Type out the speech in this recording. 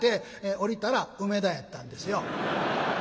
降りたら梅田やったんですよ。